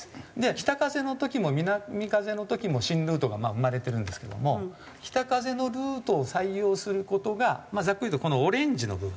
北風の時も南風の時も新ルートが生まれてるんですけども北風のルートを採用する事がまあざっくり言うとこのオレンジの部分。